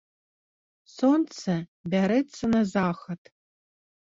Сонца бярэцца на захад.